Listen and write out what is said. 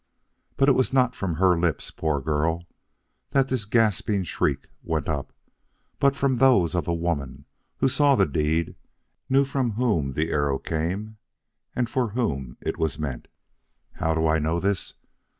But it was not from her lips, poor girl, that this gasping shriek went up, but from those of the woman who saw the deed and knew from whom the arrow came and for whom it was meant. How do I know this?